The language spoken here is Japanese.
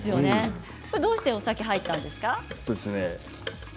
どうしてお酒が入ったんですか。